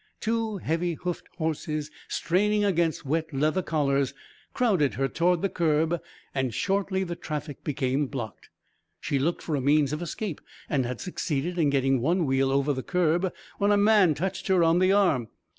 Two heavy hoofed horses straining against wet leather collars crowded her toward the curb and shortly the traffic became blocked. She looked for a means of escape and had succeeded in getting one wheel over the curb when a man touched her on the arm.